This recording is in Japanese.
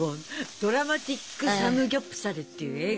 「ドラマティックサムギョプサル」っていう映画。